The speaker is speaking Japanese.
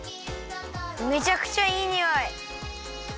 めちゃくちゃいいにおい！